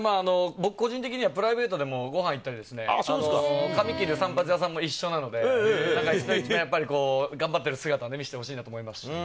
僕、個人的にはプライベートでもご飯行ったり、散髪屋さんも一緒なので、頑張ってる姿を見せてほしいなと思います。